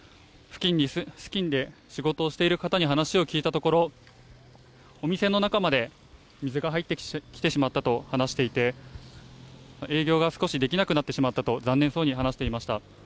付近で仕事をしている方に話を聞いたところ、お店の中まで水が入ってきてしまったと話していて、営業が少しできなくなってしまったと残念そうに話していました。